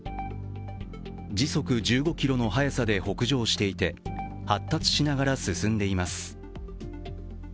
時速１５ｋｍの速さで北上していて発達しながら進んでいます。